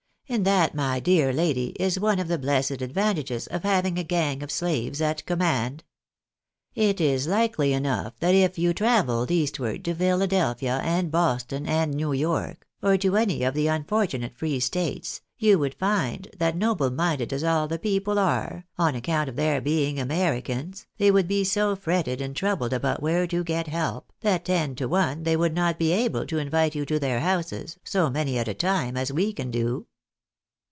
And that, my dear lady, is one of the blessed advantages of having a gang of slaves at command. It is likely enough that if you travelled eastward to Philadelphia, and Boston, and New York, or to any of the unfortunate free states, you would find that noble minded as all the people are, on account of their being Americans, they would be so fretted and troubled about where to get help, that ten to one they would not be able to invite you to their houses, so many at a time, as we can do."